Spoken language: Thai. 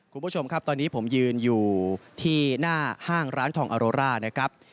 คุณผู้ชมครับตอนนี้ผมยืนอยู่ที่หน้าห้างร้านทองอโรร่านะครับ